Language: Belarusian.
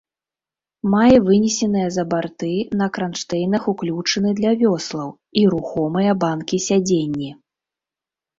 Мае вынесеныя за барты на кранштэйнах уключыны для вёслаў і рухомыя банкі-сядзенні.